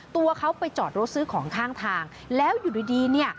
ตัวเขาไปจอดรถซื้อของข้างทางแล้วอยู่ดีดีเนี่ย